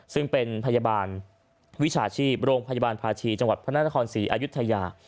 ซึ่งเป็นพยาบาลวิชาชีพโรงพยาบาลภาชีจังหวัดพระนครศรีอายุทยา